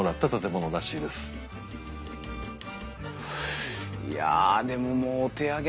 いやでももうお手上げだな。